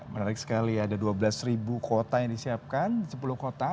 menarik sekali ada dua belas kuota yang disiapkan sepuluh kota